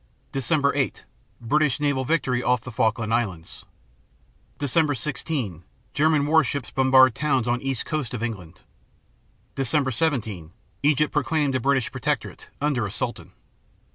Dec. 8 British naval victory off the Falkland Islands. Dec. 16 German warships bombard towns on east coast of England. Dec. 17 Egypt proclaimed a British protectorate, under a sultan.